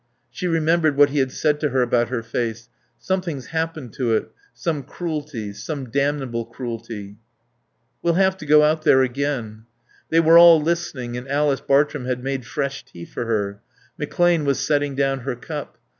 ... She remembered what he had said to her about her face. "Something's happened to it. Some cruelty. Some damnable cruelty...." "We'll have to go out there again." They were all listening, and Alice Bartrum had made fresh tea for her; McClane was setting down her cup.